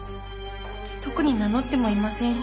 特に名乗ってもいませんし。